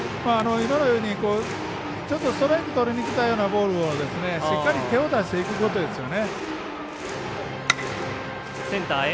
今のようにストライクとりにきたようなボールをしっかり手を出していくことですよね。